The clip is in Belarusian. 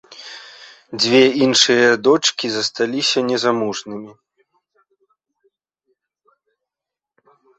Дзве іншыя дочкі засталіся незамужнімі.